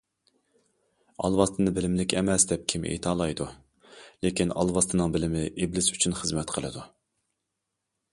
ئالۋاستىنى بىلىملىك ئەمەس، دەپ كىم ئېيتالايدۇ؟ لېكىن ئالۋاستىنىڭ بىلىمى ئىبلىس ئۈچۈن خىزمەت قىلىدۇ.